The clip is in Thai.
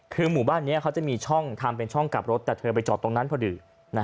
คือหมู่บ้านนี้เขาจะมีช่องทำเป็นช่องกลับรถแต่เธอไปจอดตรงนั้นพอดี